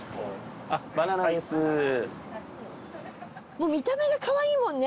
もう見た目がカワイイもんね。